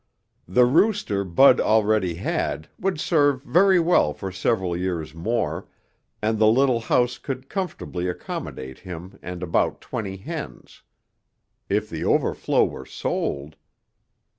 The rooster Bud already had would serve very well for several years more and the little house could comfortably accommodate him and about twenty hens. If the overflow were sold